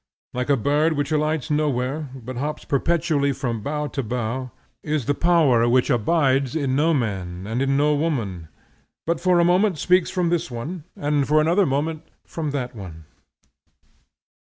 Like a bird which alights nowhere, but hops perpetually from bough to bough, is the Power which abides in no man and in no woman, but for a moment speaks from this one, and for another moment from that one.